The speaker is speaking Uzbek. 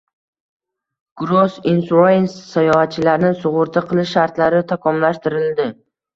Gross Insurance: Sayohatchilarni sug‘urta qilish shartlari takomillashtirildi